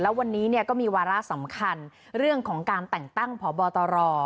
แล้ววันนี้เนี่ยก็มีวาระสำคัญเรื่องของการแต่งตั้งพบตร